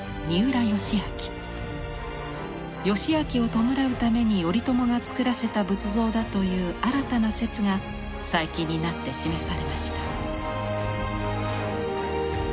義明を弔うために頼朝がつくらせた仏像だという新たな説が最近になって示されました。